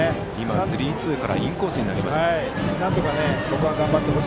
スリーツーからインコースに投げました。